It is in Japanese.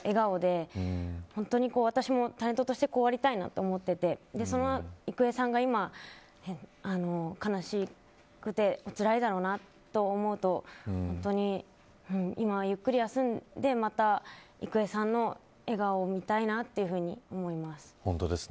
いつも明るくて笑顔で本当に私もタレントとしてこうありたいなと思っていてその郁恵さんが、今悲しくておつらいだろうなと思うと本当に今は、ゆっくり休んでまた郁恵さんの笑顔を見たいな本当ですね。